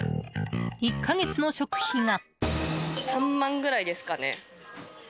１か月の食費が。